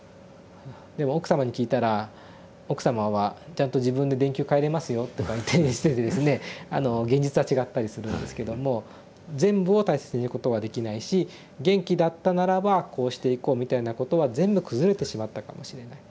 でも奥様に聞いたら奥様は「ちゃんと自分で電球替えれますよ」とかいって現実は違ったりするんですけども全部を大切にすることはできないし「元気だったならばこうしていこう」みたいなことは全部崩れてしまったかもしれない。